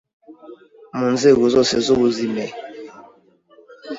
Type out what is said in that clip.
mu nzego zose z’ubuzime,